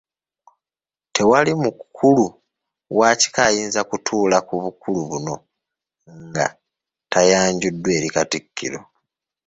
Tewali mukulu wa kika ayinza kutuula ku bukulu buno nga tayanjuddwa eri Katikkiro.